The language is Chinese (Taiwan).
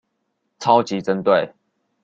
超級針對